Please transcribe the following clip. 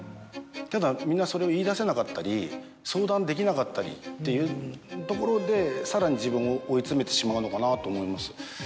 ただみんなそれを言い出せなかったり相談できなかったりっていうところでさらに自分を追い詰めてしまうのかなと思います。